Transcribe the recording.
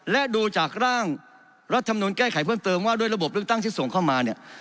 และดูจากร่างรัฐธรรมนุนแก้ไขเพิ่มเติมว่าด้วยระบบเลือกตั้งที่ส่งเข้ามาเนี่ย